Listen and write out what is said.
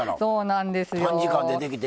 短時間でできて。